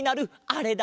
あれ？